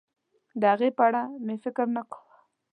د هغې په اړه مې فکر نه کاوه.